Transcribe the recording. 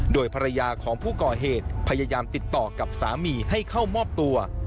โดยภรรยาของผู้ก่อเหตุพยายามติดต่อกับสามีให้เข้ามอบตัว